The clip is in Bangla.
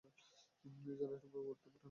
এই জেলাটির গুরুত্ব ভুটানের জন্য অপরিসীম।